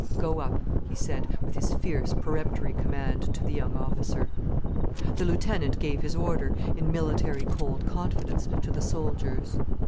"Go up!" he said, with his fierce, peremptory command, to the young officer. The lieutenant gave his order, in military cold confidence, to the soldiers.